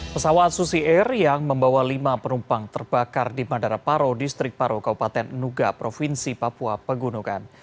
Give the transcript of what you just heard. pesawat susi air yang membawa lima penumpang terbakar di bandara paro distrik paro kabupaten nuga provinsi papua pegunungan